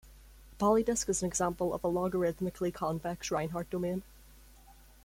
A polydisc is an example of logarithmically convex Reinhardt domain.